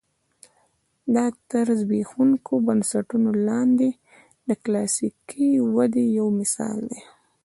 دا تر زبېښونکو بنسټونو لاندې د کلاسیکې ودې یو مثال دی.